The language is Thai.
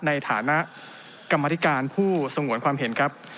ในฐานะกรรมธิการผู้สงวนความเห็นครับ